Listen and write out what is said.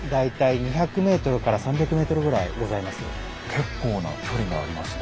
結構な距離がありますね。